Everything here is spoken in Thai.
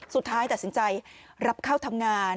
สุดท้ายตัดสินใจรับเข้าทำงาน